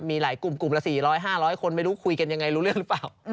มีหลายกลุ่มกลุ่มละ๔๐๐๕๐๐คนไม่รู้คุยกันยังไงรู้เรื่องหรือเปล่า